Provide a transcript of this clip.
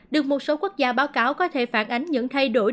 được một số quốc gia báo cáo có thể phản ánh những thay đổi